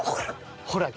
ほら！